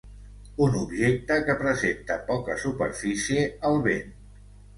Un objecte que presenta poca superfície al vent.